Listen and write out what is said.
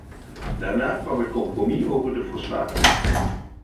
Daarna kwam het compromis over de fosfaten.